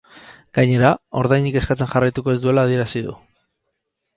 Gainera, ordainik eskatzen jarraituko ez duela adierazi du.